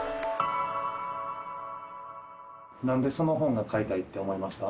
なんでその本が買いたいって思いました？